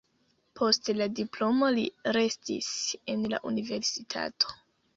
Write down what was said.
Post la diplomo li restis en la universitato.